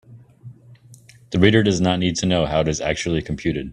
The reader does not need to know how it is actually computed.